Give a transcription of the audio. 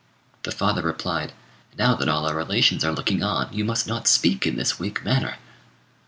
The father replied, "Now that all our relations are looking on, you must not speak in this weak manner."